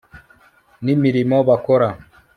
nimirimo bakora